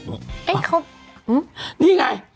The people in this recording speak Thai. เนี่ยเขาหื้อนี่ไง